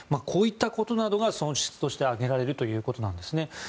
こういったことなどが損失として上げられるということです。